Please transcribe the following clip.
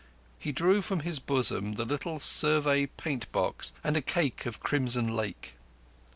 He drew from his bosom the little Survey paint box and a cake of crimson lake.